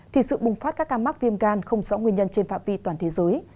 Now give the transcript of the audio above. thì sự bùng phát các ca mắc viêm gan không rõ nguyên nhân trên phạm vi toàn thế giới